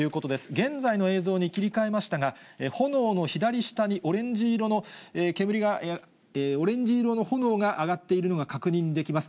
現在の映像に切り替えましたが、炎の左下にオレンジ色の炎が上がっているのが確認できます。